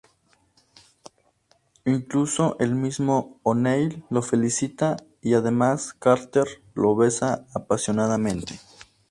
Incluso el mismo O'Neill lo felicita y además Carter lo besa apasionadamente.